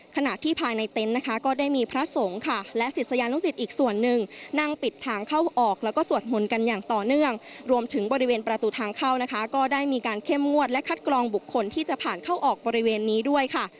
ก็ได้มีการเข้มงวดและคัดกรองบุคคลที่จะผ่านเข้าออกบริเวณนี้ด้วย